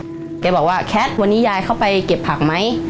แกบอกว่าแคทวันนี้ยายเข้าไปเก็บผักไหม